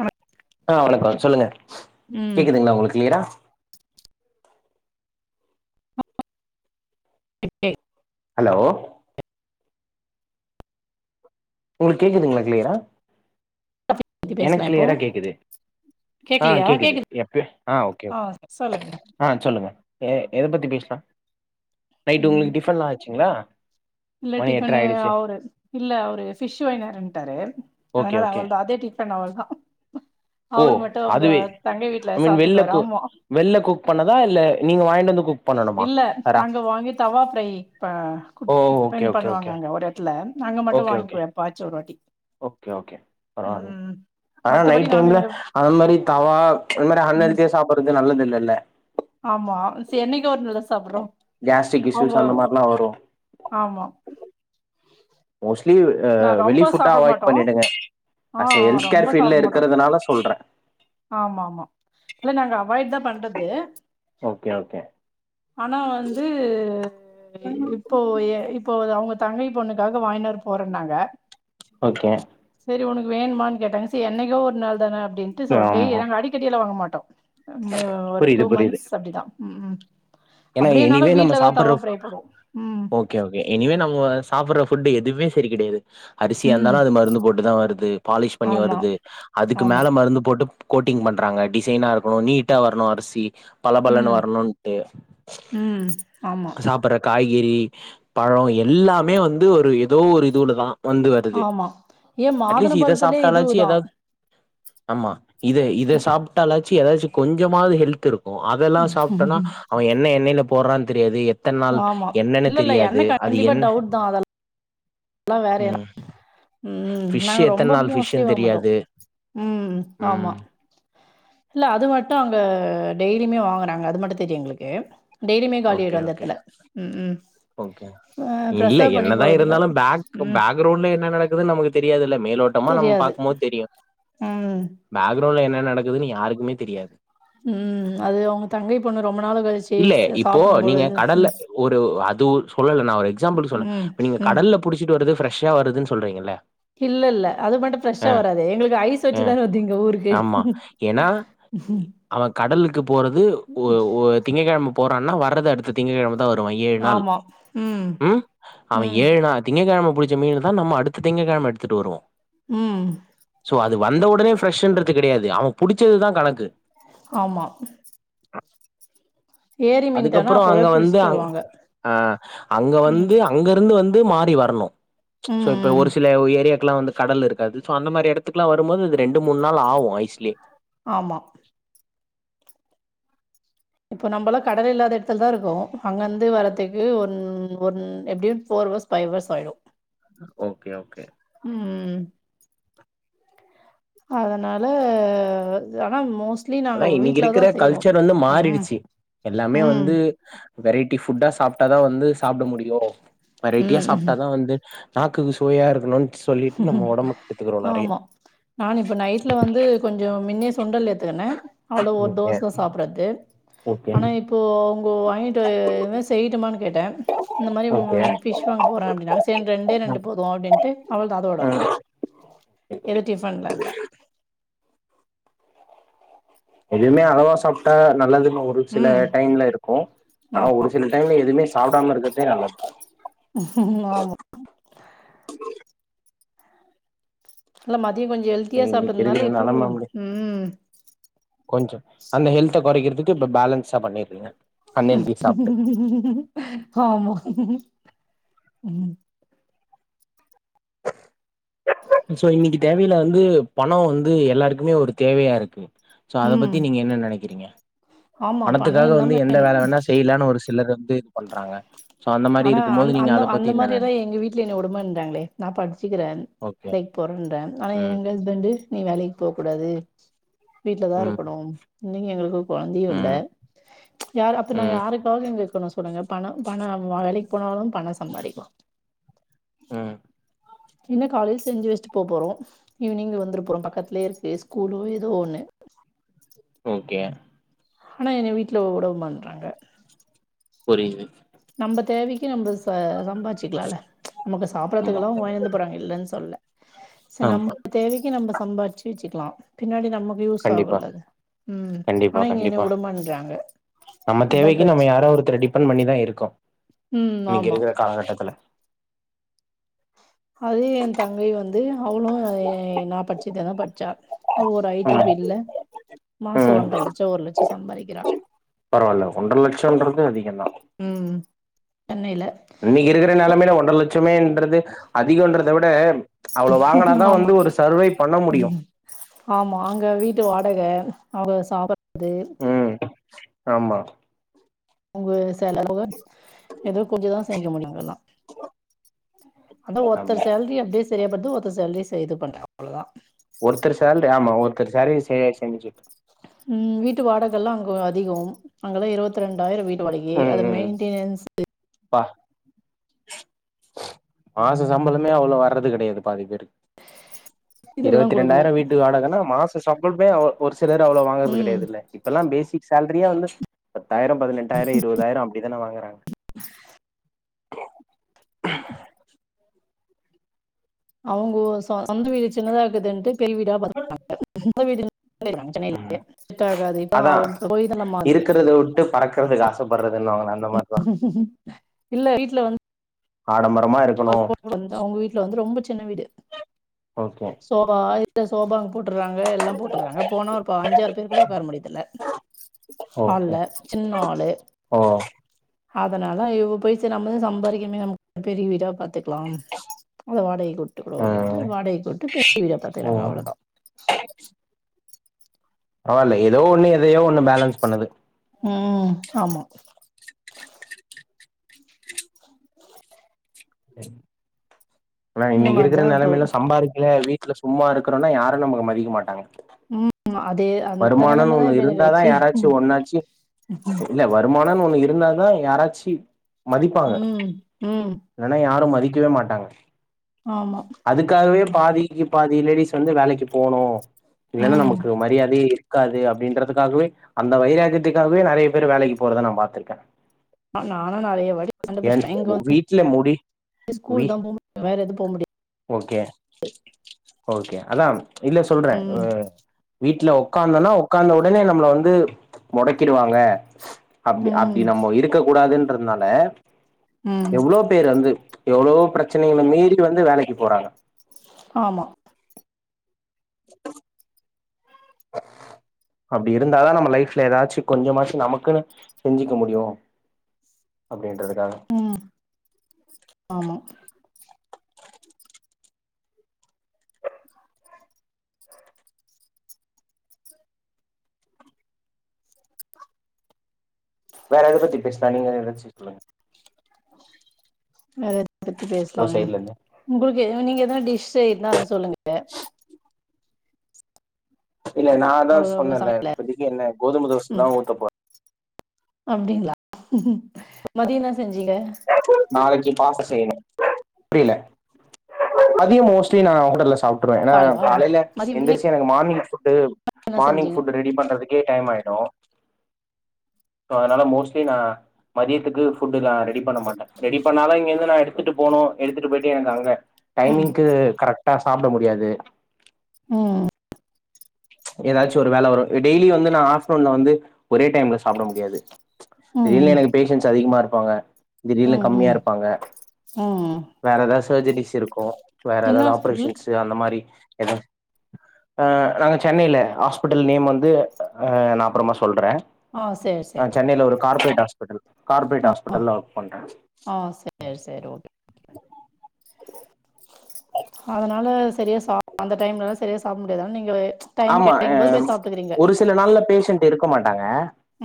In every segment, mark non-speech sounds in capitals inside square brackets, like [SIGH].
ஆமா ஆஹ் வணக்க சொல்லுங்க ம் கேக்குதுங்களா உங்களுக்கு கிளியரா [INAUDIBLE] ஹலோ உங்களுக்கு கேக்குதுங்களா க்ளியரா பத்தி பேசலா எனக்கு இப்போ க்ளியரா கேக்குது ஆஹ் கேக்குது எப்ப ஆஹ் ஓகே ஆ சொல்லுங்க ஆஹ் சொல்லுங்க ஆஹ் எத பத்தி பேச்லா நைட் ம் உங்களுக்கு டிஃபன்லா ஆச்சுங்களா இல்ல மணி டிஃபன் எட்ர ஆயிடுச்சு அவரு இல்ல அவரு ஃபிஷ்ஷு வாயின்னுவரன்டாரு ஓகே அதனால ஓகே அவள்தா அதே டீ பண்ண அவள்தா ஓ அவரு மட்டு அவங்க அதுவே தங்கை வீட்ல ஐ மீன் வெளில சாப்ட்டுக்குவாரு கு ஆமா வெள்ல குக் பண்ணதா இல்ல நீங்க வாங்கிட்டு வந்து குக் பண்ணணுமா இல்ல ஹரா அங்க வாங்கி தவா ஃப்ரை ப ஓ குக் ஓகே பண் ஓகே பண்ணுவாங்க ஓகே அங்க ஒரு எடத்துல நாங்க மட்டு ஓகே ஓகே வாங்கிக்குவோ எப்போ ஆச்சு ஒருவாட்டி ஓகே ஓகே பரவாயில்ல ஆனா மத்தபடி நைட் நாங்க டைம்ல இங்க அந்த மாரி தவா அந்த மாரி ம் ஹன்ஹெல்த்தியா சாப்பிடுறது நல்லது இல்லல்ல ஆமா சே என்னைக்கோ ஒரு நாள் தா சாப்புடுறோ கேஸ்ட்ரிக் இஷ்யூஸ் அவுங்கோ அந்த மாரிலா வரு ஆமா மொஸி ட்லீவ் ஆ நா ரொம்ப வெளி ஃபுட்ட சாப்ட அவாய்ட் மாட்டோ பண்ணிடுங்க அஸ் ஆ ஹெல்த் ரொம்ப சாப்ட கேர்ல மாட்டோ இருக்கிறதுனால சொல்றே ஆமா ஆமா இல்ல நாங்க அவாய்ட் தா பண்றது ஓகே ஓகே ஆனா வந்து இப்போ ஏ இப்போ அவங்க தங்கை பொண்ணுகீகாக வாக்கினு வரப் போறன்னாங்க ஓகே உனக்கு வேணுமான்னு கேட்டாங்க சே என்னைக்கோ ஒரு நாள் தான அப்டின்ட்டு சொல்லி ஆமா நாங்க அடிக்கடியில வாங்க மாட்டோம் மேவு ஒரு புரியுது டூ புரியுது மந்த்ஸ் அப்டிதான் ம் ம் ஏன்னா அப்டியேனாலு எனிவே நம்ம வீட்லதா சாப்பிடுற தவா ஃப்ரை பண்ணுவோ ம் ஓகே ஓகே எனிவே நம்ம சாப்பிடற புட் எதுமே சரி கிடையாது அரிசியா ம் இருந்தாலும் அது மருந்து போட்டுதான் வருது பாலிஷ் பண்ணி ஆமா வருது அதுக்கு ஆமா மேல மருந்து போட்டு கோட்டிங் பண்றாங்க டிசைனா இருக்கணும் நீட்டா வரணும் அரிசி. பலபலனு ம் வரணும் ட்டூ ம் ஆமா. கீறி பழம் எல்லாமே வந்து ஒரு ஏதோ ஒரு இதுலதான். வந்து வருது ஆமா ஏ மாதுள அட்லீஸ்ட் இத பழத்துலயே சாப்பிட்டாலாச்சி இதுவுதா ஏதாவது. ஆமா. இது இத சாப்பிட்டாலாச். எதாச்சும் கொஞ்சமாவது ஹெல்த் இருக்கும். அதெல்லாம் சாப்பிட்டனா அவன் என். போடுறான்னு தெரியாது என். இத்தன்நாள் ஆமா. என்னென்னு இல்ல, இல்ல தெரியாது அது என்ன. எல்லாம் வேறயா ம் ஃபிஷ் நாங்க எத்தன் ரொம்ப நாள் மோஸ்ட்லி ஃபிஷ்ன்னு வாங்க மாட்டோம். தெரியாது ம் ம் ஆமா இல்ல அது மட்டு. ட்டும் அங்க டெய்லியுமே வாங்குறாங்க அது மட்டும் தெரியும் எங்களுக்கு. டெய்லியுமே ஓகே காலியாயிடும் அந்த ஓகே இடத்துல ம் ஓகே இல்ல ப்சர்வ் பண்ணி என்னதா போறதில்ல. இருந்தாலு பேக் பேக்கிரவுண்டுல என்ன நடக்குதுன்ன நமக்கு தெரியாதுல்ல மேலோட்ட. நம்ம நம்ம தெரியாது. பார்க்கும் போது தெரியும் ம், பேக்கிரவுண்டுல என்ன நடக்குது. யாருக்குமே தெரியாது. ம் அது உங்க தங்கை பொண்ணு ரொம்ப நாளு கழிச்சு பிஸ்சு போ சாப். நீங்க கடல்ல ஒரு அது சொல்லல நான் ஒரு எக்ஸாம்பிள்ளுக்கு சொன்னேன். ம், நீங்க ம். கடல்ல புடிச்சிட்டு வரது ஃபிரெஸ்ஷா வருது. சொல்றீங்கள. இல்ல இல்ல அது மட்டும் ஃப்ரெஸ்ஷா வராது எங்களுக்கு ஐஸ் ஆ வச்சுதானே வருது ஊருக்கு ஆமா ம் ஏன்னா ம். அவன் கடலுக்கு போறது ஒ ஒ திங்க்கிழம. ஆன வரது அடுத்த திங்கக்கிழம. தா வருவான் ஏழ் நாள். ஆமா. ம். உம் அவன் ம் ஏழ் நாள் திங்கக்கிழம. புடிச்ச மீனதா நாம அடுத்த திங்கக்கிழம எடுத்துட்டு வருவோ உம். சோ அது வந்த உடனே ஃப்ரெஷ்ஷூன்றது கிடையாது அவன் பிடிச்சதுதா கணக்கு. ஆமா. ஏரி மீன் தானா அதுக்கப்புறோ அப்பவே அங்க புடிச்சு வந்து தருவாங்க. அ அங்க ம் வந்து அங்க இருந்து வந்து. து மாறி வரணு. ம்ச் சோ ம் இப்ப ம் ஒரு சில ஏரியாக். க்குல்லா வந்து கடல் இருக்காது சோ அந்த மாரி எடத்துக்கெல்லா வரும்போது ரெண்டு மூணு நாள் ஆகு ஐஸ்லயே. ஆமா. இப்போ நம்ம எல்லா கடல் இல்லாத இடத்துலதா இருக்கோ அங்க இந்து வர்ரதுக்கு ஒன் ஒன் எப்படியூ ஃபோர் ஹவர்ஸ் ஃபைவ் ஹவர்ஸ் ஆயிடு ஓகே ஓகே அதனால ஆனா மோஸ் அதா இன்னிக்கு இருக்கிற கல்ச்சர் வந்து ம் மாறிடுச்சு எல்லாமே ம் வந்து வெரைட்டி ஃபுட்டா சாப்ட்டாதா வந்து சாப்ட முடியு வெரைட்டியா சாப்ட்டாதா வந்து நாக்குக்கு சுவையா இருக்கணுனு ஆமா நா இப்ப நைட்ல வந்து கொஞ்சோ மின்னே சுண்டல் எத்துக் ன அதுல ஒரு ஓகே தோச சாப்டறது ஓகே ஆனா இப்போ உங்க வாயிட்டு என் செய்ட்டுமானு கேட்ட இந்த மாரி ஓகே ஃபிஷ் வாங்க போற அப்டினாங்க செரி ரெண்டே ரெண்டு போது அப்டின்ட்டு போது அதோட ம். எது டிஃபன்ல்லா இல்ல எதுவுமே அளவா சாப்ட்டா நல்லது ஒரு சில ம் டைம்ல இருக்கு ஆனா ஒரு சில டைம்ல எதுவுமே சாப்டாமா இருக்கிறது ஆமா இல்ல ம த்தி கொஞ்சோ ஹெல்த்தியா இன்னைக்கு சாப்ட்டதுனால இருக்கிற இப்போ நெலம அப்டி உம் கொஞ்சோ அந்த ஹெல்த குறைக்கறதுக்கு இப்ப பேலன்ஸா பண்ணீர்றீங்க ஆமா உம் சோ இன்னிக்கு தேவைல வந்து பணோ வந்து எல்லாருக்குமே ஒரு தேவயா இருக்கு சோ அத ம் பத்தி நீங்க என்ன நினைக்கிறீங்க ஆமா பணோ பணத்துக்காக இல்லாம வந்து எந்த வேல வேனா செய்யலானு ஒரு சிலர் வந்து இது பண்றாங்க சோ அந்த மாரி ஆனா இருக்கும் போது அந்த் நீங்க அந்த அத அந்த பத்தி என்ன மாரி எதா எங்க நெனைக்கிறீங்க வீட்ல என்ன உடமான்றாங்ளே நா பட்ச்சுக்குறே ன் ஓகே லைக் போறேன்ற ஆனா ம் எங்க ஹஸ்பண்டு நீ வேலைக்கு போக் கூடாது வீட்ல தா ம் இருக்கணு இன்னிக்கு எங்களுக்கு கொழந்தையு இல்ல ம் யார் அப்ப நா ம் யாருக்காக இங்கருக்கணு சொல்லுங்க பண பணம் நா வேலைக்கு போனாலு பண சம்பாரிக்லா ம் என்ன காலைல் செஞ்சு வச்சுட்டு போ போறோ ஈவ்னிங் வந்துர போறோ பக்கத்துலே இருக்கு ஸ்கூலோ எதோ ஒன்னு ஓகே ஆனா என்ன வீட்டலவுடவு மாட்றாங்க புரியிது நம்ப தேவைக்கி நம்பஸ் ச சம்பார்ச்சிக்லால நமக்கு ஆமா சாப்ட்றத்துகுலா வாயாந்து போட்றாங்க இல்லன் சொல்ல ச நம்ம ஆமா தேவைக்கி நம்ப சம்பார் ச்சுச்சுக்லா பின்னாடி நம் கண்டிப்பா கண்டிப்பா ஆனா இங்க என்ன கண்டிப்பா விடமாட்றாங்க நம்ம தேவைக்கு நம்ம யாரோ ஒருத்தர டிபண்ட் பண்ணிதா இருக்கோ உம் ஆமா த்துல அது எ தங்கை வந்து அவளு அஹ் நா படிச்சப் டிப்பதா பட்ச்சா அவ ஒரு ஐ டி ம் ஃபீல்ட்ல மாச ம் ஒன்ற லெச்ச ஒரு லெச்ச சம்பாரிக்கிறா பரவால்ல ஒன்ற லட்சம்ன்றது உம் இன்னக்கி இருக்குற நெலமைல ஒன்ற லெச் ச்சமேன்றது அதிகன்றத விட அவ்ளோ வாங்குனாதா ஆமா வந்து ஒரு சர்வை பண்ண முடியும் உம் ஆமா அங்க வீட்டு வாடக அவ சாபட்றது ம் ஆமா அங்க செலவு போக எதோ கொஞ்சதா சேமிக்க முடியு அங்கல்லா அதா ஒர்த்தர் ஆமா சேல்ரி அப்டியே சரியா பத் து ஒருத்தர் சேல்ரி செய்து பண்ற அவ்ளதா ஒருத்தரு சேல்ரி ஆமா ஒருத்தரு சேரி செ சேமிச்சுக்கனு உம் வீட்டு வாடகல்லா அங்க அதிகோ அங்கெல்லா இருவத்தி ரெண்டாயிர வீட் ட்டு வாடகையே ம் அதுக்கு ம் மெய்ன்டெனன்ஸ் பா மாச சம்பளமே அவ்ளோ வர்றது கெடையாது பாதி பேருக்கு இதெல்லா இருவத்தி குடுக்கணு ரெண்டாயிரம் வீட்டு வாடகன்னா மாச சம்பளுமே ஒர் ஒரு சிலர் அவ்ளோ வாங்கறத் ம் கெடையாதில்ல இப்பல்லாம் பேசிக்ஸ் சால்ரியெ வந்து பத்தாயிரம் பதினெட்டாயிரம் இருபதாயிரம் அப்படித்தான வாங்குறாங் அவங்க வ ச சொந்த வீடு சின்னதா இருக்குதுன்ட்டு பெரிய வீடா [INAUDIBLE] விடுங் ம் இல்லையே [INAUDIBLE] செட் ஆகாது அதா இப்ப [UNINTELLIGIBLE] நம்மா வந்து குறதுக்கு ஆசப்படுறது இல்ல இ ல வந் ஆடம்ப [INAUDIBLE] வந்து அவங்க வீட்டுல வந்து ரொம்ப சின்ன வீடு ஓகே சோஃபா இல சோபா அங்க போட்டுறாங்க எல்லா போட்டுறாங்க போனா ஒரு அஞ்சாறு பேரு கூட உட்கார முடியுது இல்ல ஹால்ல ஓகே சின்ன ஹாலு ஓ அதனால இவ போய்ச்ச நம்மதா சம்பாரிக்குமே நமக்கு பெரிய வீடா பாத்துக்கலாம் அத வாடகைக்கு விட்டு கூட அப்படின்ட்டு ம் வாடகை விட்டு பெரிய வீடா ஓ பாத்துக்குறாங்க அவ்வளவுதா. பரவால்ல ஏதோ ஒண்ணு எதையோ ஒண்ணு பேலன்ஸ் பண்ணுது. உம் ஆமா ஆனா இந்த இன்னைக்கு இருக்கிற மாரிதான் இப்போ நிலமைல சம்பாதிக்கல வீ ல சும்மா இருக்குறோனா யாரு நம்மள மதிக்க மாட்டாங்க. ம் அதே அந்த வருமானன்னு ஒண்ணு நெலமதான் இப்ப எனக்கு இருந்தாதா ஆயிடுச்சு யாராச்சி ஒன்னாச்சி இல்ல வருமானன்னு ஒண்ணு இருந்தா தா யாராச்சி மதிப்பாங்க ம் ம் இல்லன்னா யாரும் மதிக் முடிக்கவே மாட்டாங்க ஆமா அதுக்காகவே பாதிக்கு பாதி லேடிஸ் வந்து வேலைக்கு போணூ இல்லன்னா ம் நமக்கு மரியாத் இருக்காது அப்படின்றதுக்காகவே அந்த வைராக்கியத்துக்காகவே நெறைய பேர் வேலைக்கு போறத நா பாத்திருக்கே. நானும் நெறைய வாட்டி சண்ட என் பிடிச்சிட்டேன் இங்க வந்து வீட்டுல முடி வி ஸ்கூல் தான் போ முடியும் வேற எதுவும் போ முடியாது ஓகே ஓகே. அதாம் இல்ல சொல்றே வ ம் வீட் வீட்ல உக்காந்தனா உக்காந்த ஒடனே நம்மள வந்து மெடக்கிடுவாங்க அப்டி அப்டி ம் நம்ம இருக்க கூடாதுன்னு இதுனால ம் எவ்ளோ பேரு வந்து எவ்ளோ பிரச்சனைகளை மீறி வந்து வேலைக்கு போறாங்க ஆமா அப்டி இருந்தாதா நம்ம லைஃப்ல எதாச்சு கொஞ்சமாச்சு நமக்குன்னு செஞ்சுக்க முடியு அப்டின்றது உம் ஆமா வேற எத பத்தி பேசினா நீங்க எதாச்சும் சொல்லுங்க அ எதப்பத்தி உங்க பேசலாம் சைட்ல இருந்து உங்களுக்கு நீங்க எதாவ டிஷ் இருந்தா அத சொல்லுங்க இல்ல நா தா சொன்னேல சமையல்ல இப்பதக்கு என்ன கோதுமை தோச தா ம் ஊத்த போறே அப்டிங்களா மதியம் என்ன செஞ்சீங்க நாளைக்கு பாஸ்தா செய்யணு புரியல அதையு மோஸ்ட்லி நா ஹோட்டல சாப்பிட ஏன்னா காலைவா காலையில மதியம் இன்னைக்கு எந்திரிச்சு எனக்கு மார்னிங் புட் என்ன மார்னிங் செஞ்சீங்க ஃபுட் ரெடி பண்றதுக்கே டைம் ஆயிடும் [UNINTELLIGIBLE] சோ அதனால மோஸ்ட்லி நா மதியத்துக்கு புட் எல்ல ரெடி பண்ண மாட்ட ரெடி பண்ணாலான இங்க இருந்து நா எ எடுத்துட்டு போனு எடுத்துட்டு போய்டு எனக்கு அங்க ம் டைமிங்க்கு கரெக்ட் சாப்பிட முடியாது உஹம் எதாச்சு ஒரு வேல வரும் டெய்லி வந்து நா ஆப்டர்நூன்ல வந்து ஒரே டைம்ல சாப்பிட முடியாது திடீருனு ம் எனக்கு பேஷன்ஸ் அதிகமா இருக்கு பாங்க திடீர்ன்னு ம் கம்மியா ம் இருப்பாங்க ம் வேற எதாவ்து சர்ஜரிஸ் இருக்கு வேற என்ன எதாவது ஹாஸ்பிட்டல் ஆப்ரேஷன்ஸ் அந்த மாரி எது நாங்க சென்னையில ஹாஸ்பிட்டல் நேம் வந்து நா அப்புறமா சொல்ற ஆ சேரி ஆ சேரி ஓகே சென்னையில ஒரு கார்பரேட் ஆஸ்பிட்டல் பெட்டல் கார்பரேட் ஆ ஆ ஹாஸ்பிடல் ஒர்க பண்றே ஆ சேரி சேரி ஓகே அதனால சரியா சா அந்த டைம்லால சரியா சாப்பிட முடியா அதான நீங்க டைம் ஆமா கெடைக்கும் போது போய் சாப்ட்டுக்கிறீங்க ஒரு சில நாள் பேஷன்ட் இருக்க மாட்டாங்க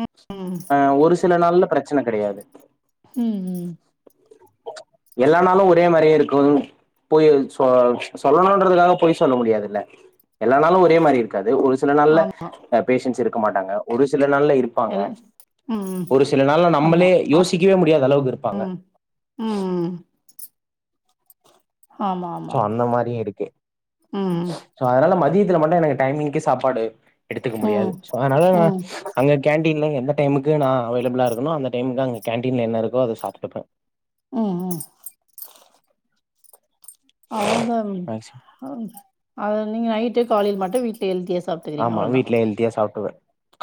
ம் ஒரு சில சில நாள்ல பிரச்சன கிடையாது ம் ம் ம் எல்லானாலும் ஒரே மாதிரியே இருக்கும் போய் சொல்லணும்ன்றதுக்காக போய் சொல்ல முடியாதுல்ல எல்லனாலும் ஒரு ஒரேமாரி இருக்காது ஒரு சில நல்ல ஆமா பேஷன்ஸ் இருக்கு மாட்டாங்க ஒரு சில சில நாள்ல இருப்பாங்க எல் ம் ம் ஒரு சில நாள்ல ஆமா நம்மளே ஹாஸ் யோசிக்கவே முடியாத அளவுக்கு இருப்பாங்க ம் ம் ஆமா சோ ஆமா அந்த மாரி இருக்கே ம் சோ அதனால மதிய இதுல மட்டு எனக்கு டைமிங்க்கே சாப்பாடு எடுத்துக்க முடியாது ம் சோ அதனால ம் அங்க கேன் டீன்ல எந்த டைமுக்கு நா அவைலப்ளா இருக்கனோ அந்த டைமுக்கு அங்க கேண்டீன்ல என்ன இருக்கோ அத சாப்டுப்ப ம் ம் அவ்ளதா மேக்சிமம் அது நீங்க நைட்டு காலைல மட் ல வீட்ல ஹெல்த்தியா ஆமா வீட்டுல ஹெல்தியா சாப்டுவ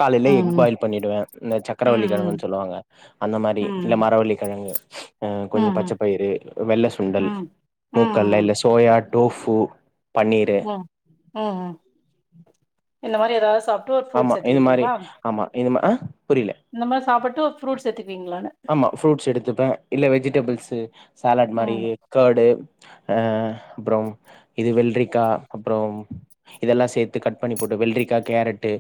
காலைல எக் ம் பாயில் பண்ணிடுவே இந்த சக்கரவள்ளிக்கெழங்குன் ம் சொல்லுவாங்க அந்த மாரி இந்த ம் மரவள்ளிக்கெழங்கு ம் கொஞ்சொ ம் பச்சப்பயிறு வெள்ள சுண்டல் ம் முக்கடல இல்ல சோயா டோஃபு பன்னீரு ம் ம் ம் இந்த மாரி எதாவது சாப் ஆமா இது மாரி ஆமா இது மா அஹ் நம்ம சாப்ப டு ப்ரூட்ஸ் சேத்து ஆமா ஃப்ரூட்ஸ் எடுத்துப்பே இல்ல வெஜிடெபிள்ஸ் து சாலட் மாரி ம் கர்ட் அஹ் அப்ரொ இது வெள்ரிக்கா அப்ரொம் இதெல்லா சேத்து கட் பண்ணி போட்டு வெள்ரிக்கா கேரட்டு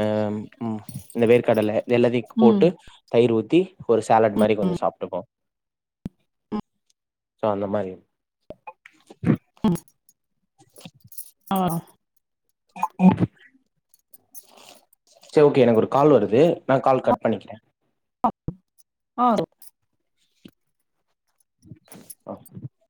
அஹ் உ இந்த வேர்க்கடல இதெல்லாதையு ம் போட்டு தயிர் ஊத்தி ஒரு சாலட் ம் மாரி கொஞ்ச சாப்டுப்போ சோ அந்த மாரி ஆஹ் செரி ஓகே எனக்கொரு கால் வருது நா கால் கட் பண்ணிக்கிறே ஆ ஓ ஆஹ்